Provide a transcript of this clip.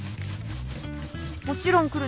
もちろん来る